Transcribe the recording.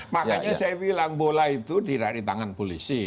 makanya saya bilang bola itu tidak di tangan polisi